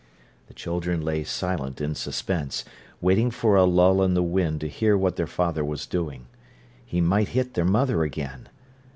The children lay silent in suspense, waiting for a lull in the wind to hear what their father was doing. He might hit their mother again.